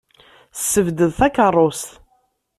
Ssebded takeṛṛust.